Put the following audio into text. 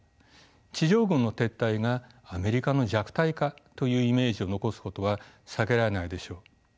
地上軍の撤退がアメリカの弱体化というイメージを残すことは避けられないでしょう。